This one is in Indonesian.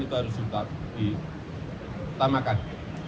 itu harus ditamakan